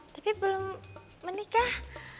tapi belum menikah